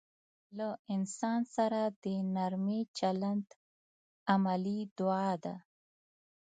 له انسان سره د نرمي چلند عملي دعا ده.